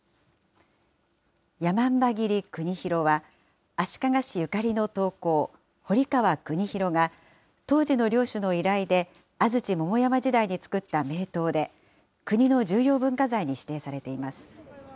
山姥切国広は、足利市ゆかりの刀工、堀川国広が当時の領主の依頼で、安土桃山時代につくった名刀で、国の重要文化財に指定されています。